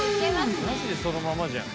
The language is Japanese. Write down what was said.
マジでそのままじゃん。